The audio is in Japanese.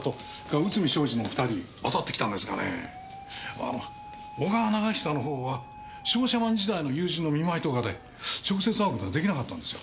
あの小川長久の方は商社マン時代の友人の見舞いとかで直接会うことができなかったんですよ。